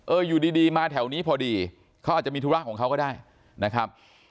อยู่ดีดีมาแถวนี้พอดีเขาอาจจะมีธุระของเขาก็ได้นะครับ